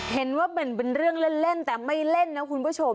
เห็นว่าเบ่นเป็นเรื่องเล่นแต่ไม่เล่นนะคุณผู้ชม